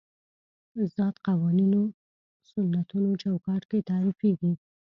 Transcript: ذات قوانینو سنتونو چوکاټ کې تعریفېږي.